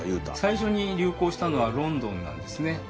最初に流行したのはロンドンなんですね。